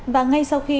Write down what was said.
và ngay sau khi